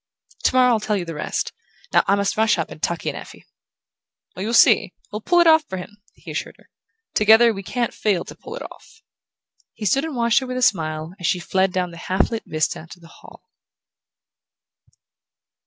To morrow I'll tell you the rest. Now I must rush up and tuck in Effie..." "Oh, you'll see, we'll pull it off for him!" he assured her; "together, we can't fail to pull it off." He stood and watched her with a smile as she fled down the half lit vista to the hall.